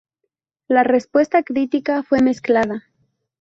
La respuesta crítica fue mezclada.